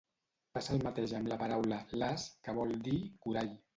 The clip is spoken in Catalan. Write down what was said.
Passa el mateix amb la paraula "lahs" que vol dir "corall".